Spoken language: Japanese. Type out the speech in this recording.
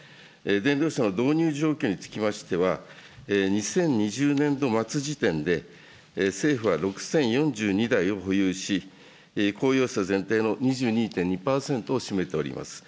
電動車の導入状況につきましては、２０２０年度末時点で政府は６０４２台を保有し、公用車全体の２２．２％を占めております。